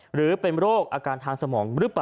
หรือเป็นโรคอาการทางสมอง